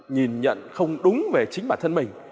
nhìn nhận không đúng về chính bản thân mình